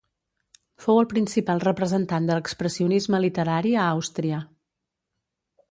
Fou el principal representant de l'expressionisme literari a Àustria.